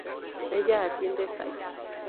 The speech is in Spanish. Ella atiende St.